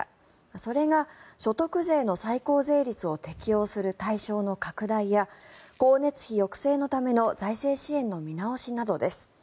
それが、所得税の最高税率を適用する対象の拡大や光熱費抑制のための財政支援の見直しなどです。